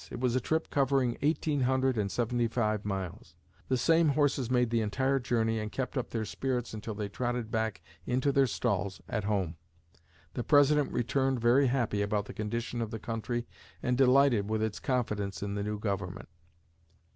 It was a trip covering eighteen hundred and seventy five miles. The same horses made the entire journey and kept up their spirits until they trotted back into their stalls at home! The President returned very happy about the condition of the country and delighted with its confidence in the new government.